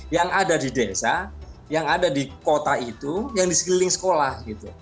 yang ada di desa yang ada di kota itu yang di sekeliling sekolah